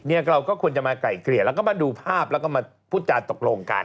เราก็ควรดูพร่าพแล้วก็มาพูดจามตกลงกัน